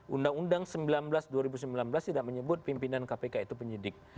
undang undang sembilan belas dua ribu sembilan belas tidak menyebut pimpinan kpk itu penyidik